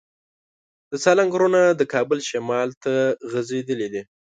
د سالنګ غرونه د کابل شمال ته غځېدلي دي.